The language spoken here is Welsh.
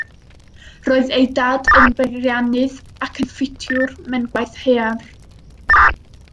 Roedd ei dad yn beiriannydd ac yn ffitiwr mewn gwaith haearn.